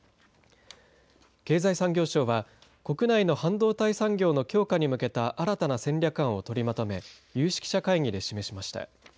経済産業省は国内の半導体産業の強化に向けた新たな戦略案を取りまとめ有識者会議で示しました。